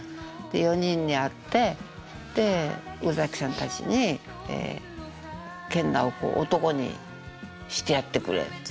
４人に会って宇崎さんたちに「研ナオコを男にしてやってくれ」って。